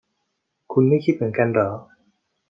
คุณไม่คิดเหมือนกันหรอ